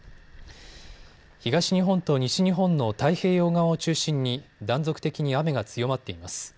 東日本と西日本の太平洋側を中心に断続的に雨が強まっています。